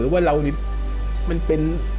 ว่าเรามันเป็น